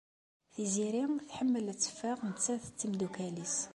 Tiziri tḥemmel ad teffeɣ nettat d tmeddukal-is.